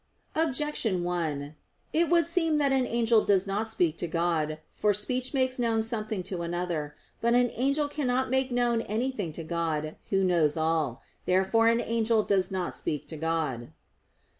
Objection 1: It would seem that an angel does not speak to God. For speech makes known something to another. But an angel cannot make known anything to God, Who knows all things. Therefore an angel does not speak to God.